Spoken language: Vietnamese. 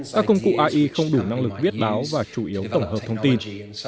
các công cụ ai không đủ năng lực viết báo và chủ yếu tổng hợp thông tin